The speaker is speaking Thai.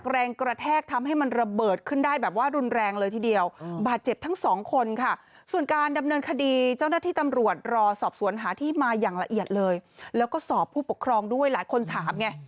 ราเอียดเลยแล้วก็สอบผู้ปกครองด้วยหลายคนถามไง